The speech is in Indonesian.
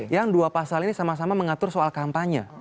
yang dua pasal ini sama sama mengatur soal kampanye